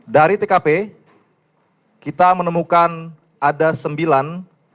dari tkp kita menemukan ada sembilan